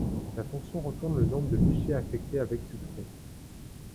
La fonction retourne le nombre de fichiers affectés avec succès.